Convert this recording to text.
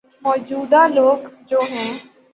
موجود ہ لوگ جو ہیں۔